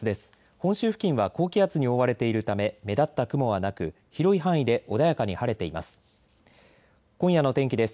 本州付近は高気圧に覆われているため目立った雲はなく広い範囲で穏やかに晴れています。